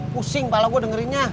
pusing pala gue dengerinnya